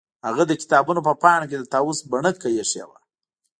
هغه د کتابونو په پاڼو کې د طاووس بڼکه ایښې وه